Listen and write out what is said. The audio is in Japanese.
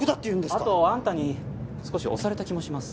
あとあんたに少し押された気もします。